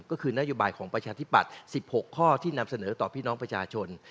ก็คือนโยบายของประชาธิปัตย์๑๖ข้อที่นำเสนอต่อพี่น้องประชาชน